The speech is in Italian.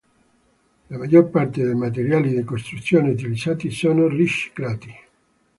La maggior parte dei materiali di costruzione utilizzati sono riciclati.